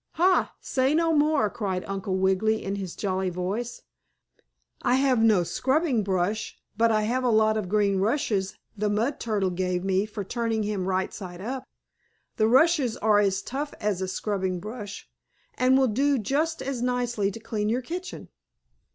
"Ha! Say no more!" cried Uncle Wiggily in his jolly voice. "I have no scrubbing brush, but I have a lot of green rushes the mud turtle gave me for turning him right side up. The rushes are as rough as a scrubbing brush, and will do just as nicely to clean your kitchen."